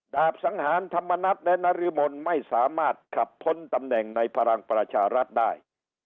บสังหารธรรมนัฏและนรมนไม่สามารถขับพ้นตำแหน่งในพลังประชารัฐได้